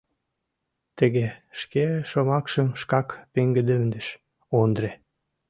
Тыге! — шке шомакшым шкак пеҥгыдемдыш Ондре.